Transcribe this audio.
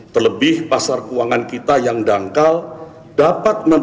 terlebih pasar keuangan kita yang dangkal dapat memperbesar gejolak tersebut